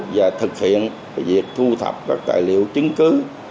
và thực hiện việc thu thập các tài liệu chứng cứ